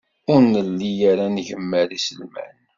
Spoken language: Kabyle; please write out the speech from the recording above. Ur nelli ara ngemmer iselman.